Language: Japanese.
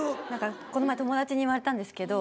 この前友達に言われたんですけど。